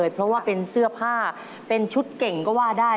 เพราะว่าเป็นเสื้อผ้าเป็นชุดเก่งก็ว่าได้